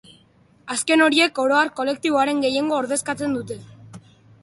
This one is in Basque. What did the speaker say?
Azken horiek, oro har, kolektiboaren gehiengoa ordezkatzen dute.